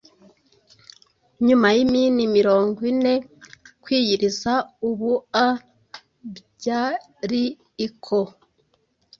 Nyuma yimini mirongo ine kwiyiriza ubua byariikoa